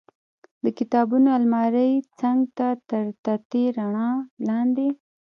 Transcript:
د کتابونو المارۍ څنګ ته تر تتې رڼا لاندې.